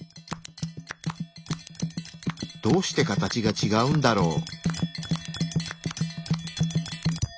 どうして形がちがうんだろう？